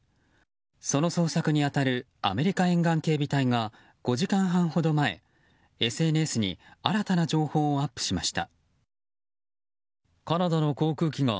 その捜索に当たるアメリカ沿岸警備隊が５時間半ほど前ＳＮＳに新たな情報をアップしました。